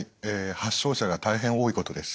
発症者が大変多いことです。